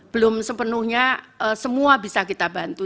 belum sepenuhnya semua bisa kita bantu